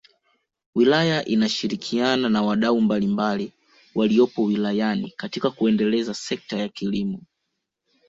Wilaya inashirikiana na wadau mbalimbali waliopo wilayani katika kuendeleza sekta ya kilimo